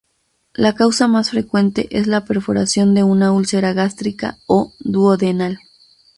La causa más frecuente es la perforación de una úlcera gástrica o duodenal.